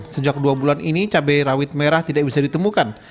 sejak dua bulan ini cabai rawit merah tidak bisa ditemukan